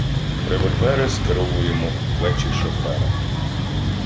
Револьвери скеровуємо у плечі шофера.